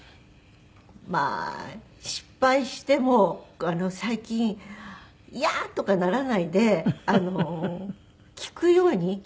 まあ失敗しても最近イヤ！とかならないで聞くように。